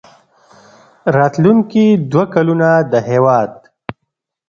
راتلونکي دوه کلونه د هېواد